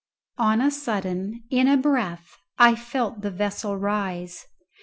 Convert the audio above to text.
On a sudden in a breath I felt the vessel rise.